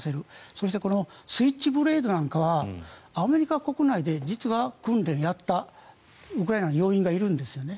そしてスイッチブレードなんかはアメリカ国内で実は訓練をやったウクライナの要員がいるんですね。